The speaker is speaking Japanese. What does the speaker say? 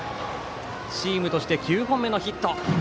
チームとして９本目のヒット。